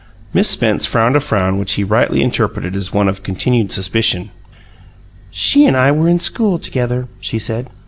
Miss Spence frowned a frown which he rightly interpreted as one of continued suspicion. "She and I were in school together," she said.